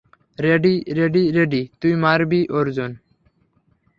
Ready, ready, ready, তুই মরবি, অর্জুন।